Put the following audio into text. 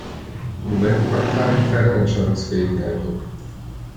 Im Moment macht Karin keinen entscheidungsfähigen Eindruck.